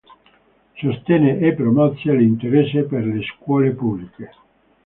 Sostenne e promosse l'interesse per le scuole pubbliche.